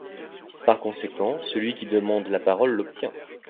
Par conséquent, celui qui demande la parole l’obtient.